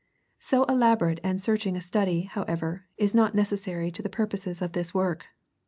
So elaborate and searching a study, however, is not necessary to the purposes of this work.